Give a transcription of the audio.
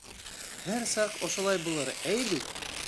Һәр саҡ ошолай булыр, эйе бит?!